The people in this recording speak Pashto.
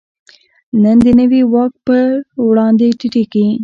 نن د نوي واک په وړاندې ټیټېږي.